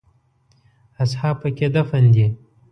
اصحاب په کې دفن دي.